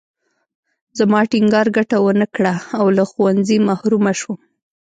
زما ټینګار ګټه ونه کړه او له ښوونځي محرومه شوم